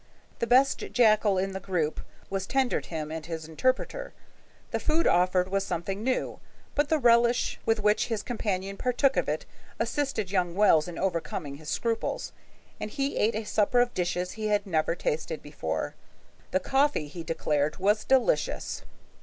The best jacal in the group was tendered him and his interpreter. The food offered was something new, but the relish with which his companion partook of it assisted young Wells in overcoming his scruples, and he ate a supper of dishes he had never tasted before. The coffee he declared was delicious.